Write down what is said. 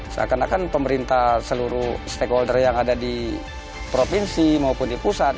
seakan akan pemerintah seluruh stakeholder yang ada di provinsi maupun di pusat